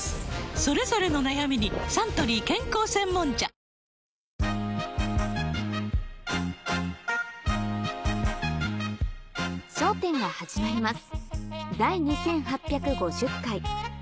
それぞれの悩みにサントリー健康専門茶『笑点』の時間がやってまいりました。